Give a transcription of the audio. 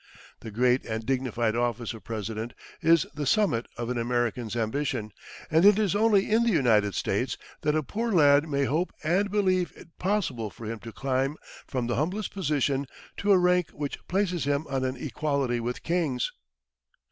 The great and dignified office of President is the summit of an American's ambition; and it is only in the United States that a poor lad may hope and believe it possible for him to climb from the humblest position to a rank which places him on an equality with kings.